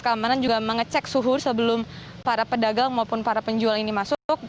keamanan juga mengecek suhu sebelum para pedagang maupun para penjual ini masuk